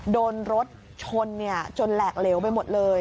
โดนรถชนจนแหลกเหลวไปหมดเลย